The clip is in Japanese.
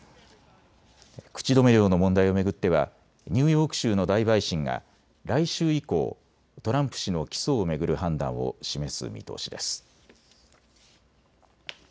口止め料の問題を巡ってはニューヨーク州の大陪審が来週以降、トランプ氏の起訴を巡る判断を示す見通しです。